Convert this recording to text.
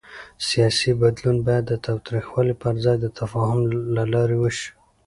سیاسي بدلون باید د تاوتریخوالي پر ځای د تفاهم له لارې وشي